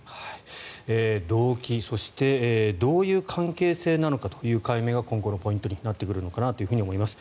動機、そしてどういう関係性なのかという解明が今後のポイントになってくるのかなと思います。